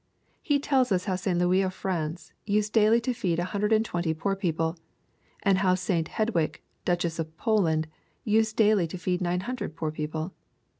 He tells us how St. Louis of France used daily to feed a hundred and twenty poor people, and how St. Hedwig, Duchess of Poland, used daily to feed nine hundred poor people